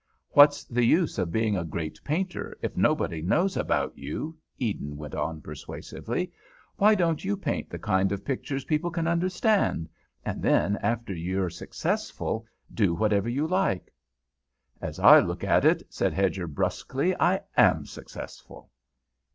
"What's the use of being a great painter if nobody knows about you?" Eden went on persuasively. "Why don't you paint the kind of pictures people can understand, and then, after you're successful, do whatever you like?" "As I look at it," said Hedger brusquely, "I am successful."